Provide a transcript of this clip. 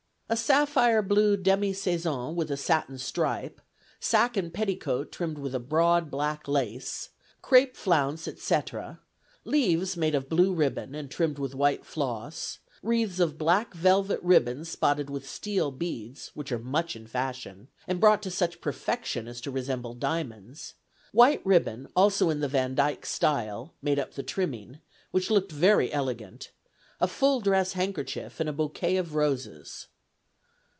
A sapphire blue demi saison with a satin stripe, sack and petticoat trimmed with a broad black lace; crape flounce, etc.; leaves made of blue ribbon, and trimmed with white floss; wreaths of black velvet ribbon spotted with steel beads, which are much in fashion, and brought to such perfection as to resemble diamonds; white ribbon also in the Vandyke style, made up the trimming, which looked very elegant; a full dress handkerchief, and a bouquet of roses.